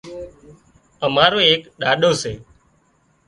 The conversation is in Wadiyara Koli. امارو ايڪ ڏاڏو سي